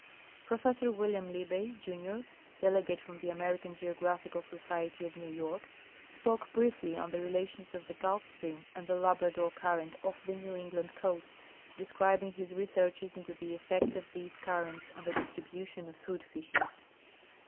Professor William Libbey, Junior, delegate from the American Geographical Society of New York, spoke briefly on " The Rela tions of the Gulf Stream and the Labrador Current off the Ncav England Coast," describing his researches into the effect of these currents on the distribution of food fishes.